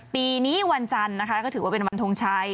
ปีนี้วันจันทร์นะคะก็ถือว่าเป็นวันทงชัย